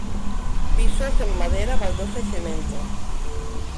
Pisos en madera, baldosa y cemento.